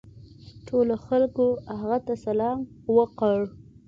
ټولو خلکو هغه ته سلام وکړ.